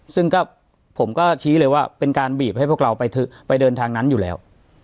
ซึ่งก็ผมก็ชี้เลยว่าเป็นการบีบให้พวกเราไปเดินทางนั้นอยู่แล้ว